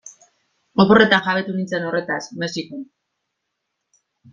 Oporretan jabetu nintzen horretaz, Mexikon.